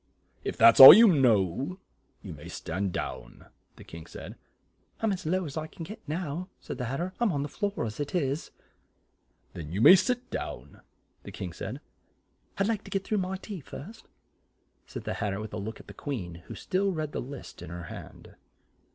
"If that's all you know, you may stand down," the King said. "I'm as low as I can get now," said the Hat ter; "I'm on the floor as it is." "Then you may sit down," the King said. "I'd like to get through with my tea first," said the Hat ter with a look at the Queen who still read the list in her hand.